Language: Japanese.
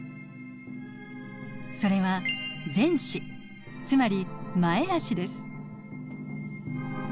それは前肢つまり前あしです。